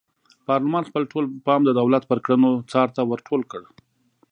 پارلمان خپل ټول پام د دولت پر کړنو څار ته ور ټول کړ.